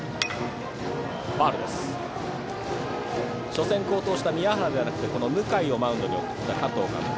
初戦好投した宮原ではなく向井をマウンドに送った加藤監督。